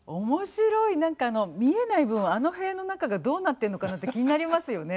何かあの見えない分あの部屋の中がどうなってるのかなって気になりますよね。